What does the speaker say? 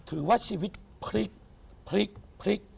ถือว่าชีวิตพลิก